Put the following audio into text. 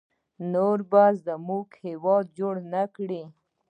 نور به موږ ته هیواد جوړ نکړي